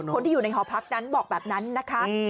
คนที่อยู่ในหอพักนั้นบอกแบบนั้นนะคะ